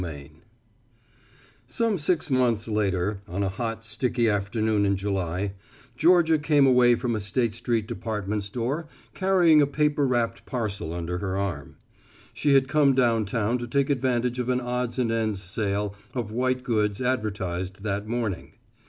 XXVI EVE Some six months later, on a hot, sticky afternoon in July, Georgia came away from a State Street department store carrying a paper wrapped parcel under her arm. She had come down town to take advantage of an odds and ends sale of white goods advertised that morning.